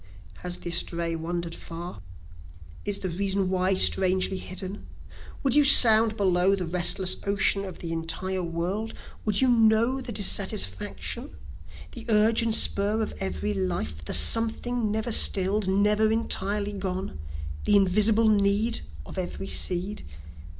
"Has the estray wander'd far? Is the reason why strangely hidden? Would you sound below the restless ocean of the entire world? Would you know the dissatisfaction? the urge and spur of every life; The something never still'd never entirely gone? the invisible need of every seed?